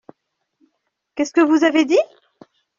Qu’est-ce que vous avez dit ?